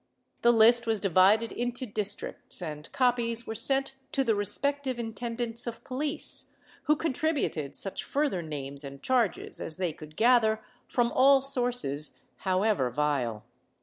The list was divided into districts, and copies were sent to the respective intendants of police, who contributed such further names and charges as they could gather from all sources however vile.